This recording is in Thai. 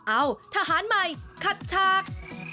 เอ้าทหารใหม่ขัดฉาก